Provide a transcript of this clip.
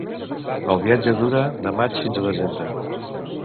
El viatge dura de maig fins a desembre.